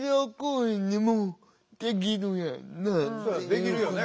できるよね